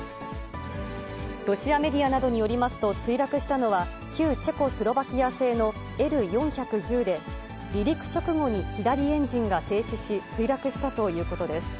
ロシアメディアなどによりますと、墜落したのは、旧チェコスロバキア製のＬー４１０で、離陸直後に左エンジンが停止し、墜落したということです。